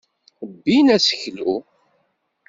Bbin aseklu.